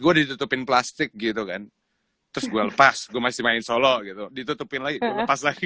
gue ditutupin plastik gitu kan terus gue lepas gue masih main solo gitu ditutupin lagi lepas lagi